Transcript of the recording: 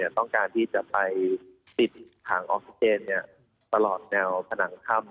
ต้องการที่จะไปปิดถังออกซิเจนตลอดแนวผนังถ้ำ